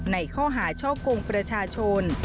ในข้อหาช่อกงประชาชน